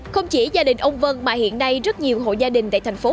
không chỉ gia đình ông vân mà hiện nay rất nhiều hộ gia đình tại thành phố hồ chí minh